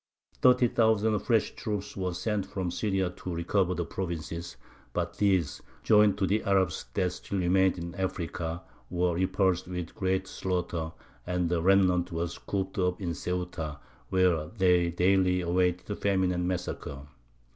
Thirty thousand fresh troops were sent from Syria to recover the provinces, but these, joined to the Arabs that still remained in Africa, were repulsed with great slaughter, and the remnant were cooped up in Ceuta, where they daily awaited famine and massacre.